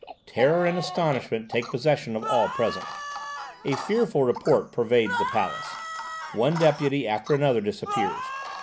Terror and astonishment take possession of all present; a fearful report pervades the palace; one deputy after another disappears.